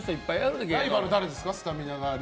ライバルは誰ですか？